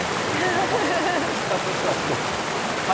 それではスポーツです。